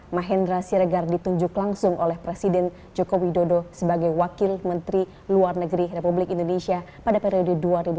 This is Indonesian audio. mahendra siregar ditunjuk langsung oleh presiden joko widodo sebagai wakil menteri luar negeri republik indonesia pada periode dua ribu dua puluh